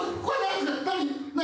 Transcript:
何？